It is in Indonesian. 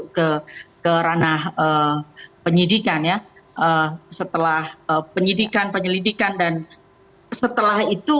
masuk ke ke ranah penyidikan ya setelah penyidikan penyelidikan dan setelah itu